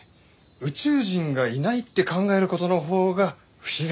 宇宙人がいないって考える事のほうが不自然だよ。